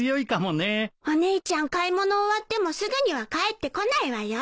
お姉ちゃん買い物終わってもすぐには帰ってこないわよ。